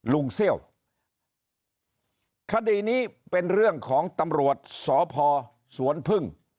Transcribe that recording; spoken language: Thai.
เซี่ยวคดีนี้เป็นเรื่องของตำรวจสพสวนพึ่ง